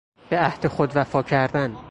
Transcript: به عهد خود وفا کردن